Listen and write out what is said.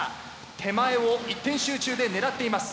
手前を一点集中で狙っています。